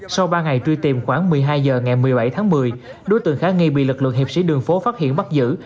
sau ba ngày truy tìm khoảng một mươi hai h ngày một mươi bảy tháng một mươi đối tượng khá nghi bị lực lượng hiệp sĩ đường phố phát hiện bắt giữ